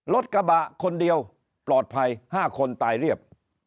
รถกระบะคนเดียวปลอดภัย๕คนตายเรียบ